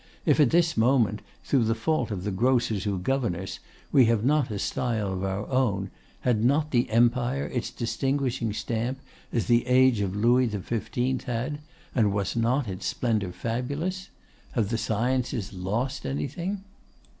If at this moment, through the fault of the Grocers who govern us, we have not a style of our own, had not the Empire its distinguishing stamp as the age of Louis XV. had, and was not its splendor fabulous? Have the sciences lost anything?"